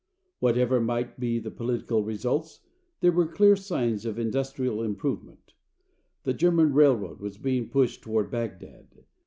Whatever might be the political results, there were clear signs of industrial improvement. The German railroad was being pushed toward Bagdad.